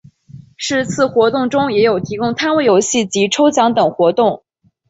是次活动中也有提供摊位游戏及抽奖等活动。